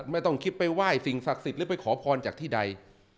ไม่ต้องคิดไปไหว้สิ่งศักดิ์สิทธิ์หรือไปขอพรจากที่ใด